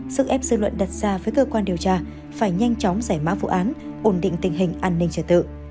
sức ép dư luận đặt ra với cơ quan điều tra phải nhanh chóng giải mã vụ án ổn định tình hình an ninh trật tự